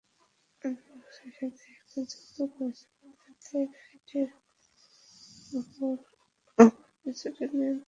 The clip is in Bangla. আমি বক্সের সাথে এটা যুক্ত করেছিলাম যাতে ফিডের ওপর আমার কিছুটা নিয়ন্ত্রণ থাকে।